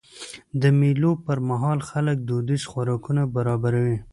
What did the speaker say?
د مېلو پر مهال خلک دودیز خوراکونه برابروي.